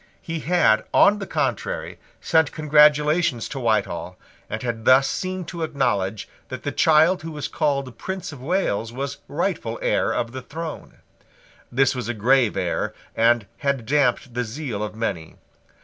He had, on the contrary, sent congratulations to Whitehall, and had thus seemed to acknowledge that the child who was called Prince of Wales was rightful heir of the throne. This was a grave error, and had damped the zeal of many.